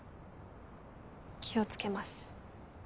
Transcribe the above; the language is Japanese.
気をつけます。